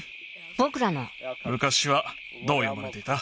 僕らの昔はどう呼ばれていた？